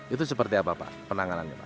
itu seperti apa pak penanganannya pak